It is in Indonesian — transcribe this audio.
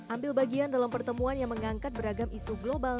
ambil bagian dalam pertemuan yang mengangkat beragam isu global